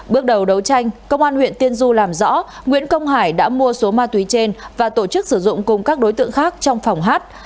bước đầu đấu tranh công an huyện tiên du làm rõ nguyễn công hải đã mua số ma túy trên và tổ chức sử dụng cùng các đối tượng khác trong phòng hát